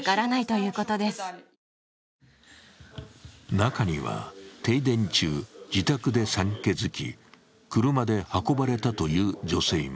中には停電中、自宅で産気づき車で運ばれたという女性も。